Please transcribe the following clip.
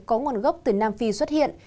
có nguồn gốc từ nam phi xuất hiện